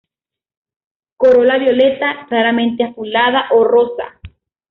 Corola violeta, raramente azulada o rosa.